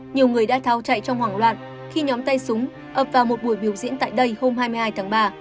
nhiều người đã tháo chạy trong hoảng loạn khi nhóm tay súng ập vào một buổi biểu diễn tại đây hôm hai mươi hai tháng ba